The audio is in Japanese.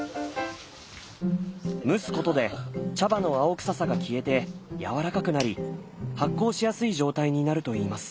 蒸すことで茶葉の青臭さが消えてやわらかくなり発酵しやすい状態になるといいます。